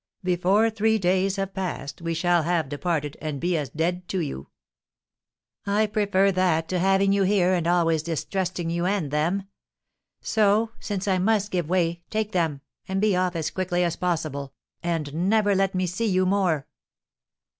"Before three days have passed, we shall have departed, and be as dead to you." "I prefer that to having you here, and always distrusting you and them. So, since I must give way, take them, and be off as quickly as possible, and never let me see you more!"